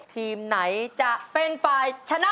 ทีมไหนจะเป็นฝ่ายชนะ